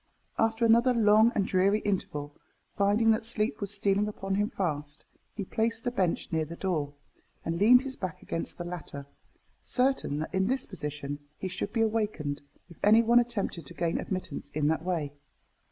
After another long and dreary interval, finding that sleep was stealing upon him fast, he placed the bench near the door, and leaned his back against the latter, certain that in this position he should be awakened if any one attempted to gain admittance in that way.